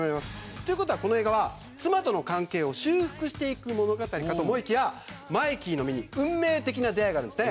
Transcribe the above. ということは、この映画は妻との関係を修復していく物語かと思いきやマイキーの身に運命的な出会いがあります。